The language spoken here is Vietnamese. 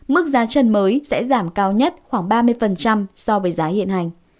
mức giá trần mới sẽ giảm cao nhất khoảng ba mươi so với giá hiện hành